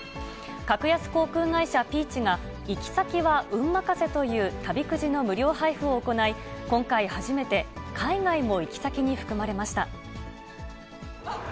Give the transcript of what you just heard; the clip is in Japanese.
格安航空会社、Ｐｅａｃｈが、行き先は運任せという旅くじの無料配布を行い、今回初めて、海外も行き先に含まれました。